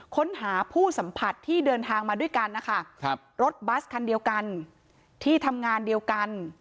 ค้นหาผู้สัมผัสที่เดินทางมาด้วยกันนะคะครับรถบัสคันเดียวกันที่ทำงานเดียวกัน